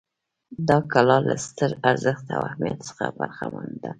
دا کلا له ستر ارزښت او اهمیت څخه برخمنه ده.